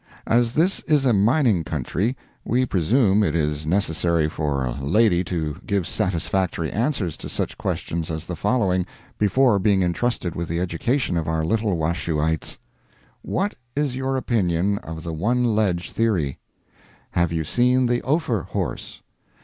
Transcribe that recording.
As this is a mining country, we presume it is necessary for a lady to give satisfactory answers to such questions as the following, before being entrusted with the education of our little Washoeites: "What is your opinion of the one ledge theory? Have you seen the Ophir horse?